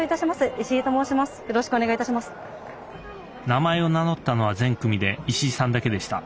名前を名乗ったのは全組で石井さんだけでした。